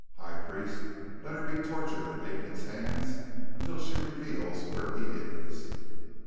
High Priest, let her be tortured in Aten's hands until she reveals where he is!"